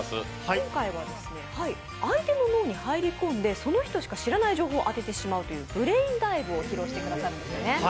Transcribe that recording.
今回は相手の脳に入り込んで、その人しか知らない情報を当ててしまうというブレインダイブを披露してくださるんですね。